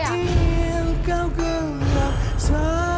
bukan urusan saya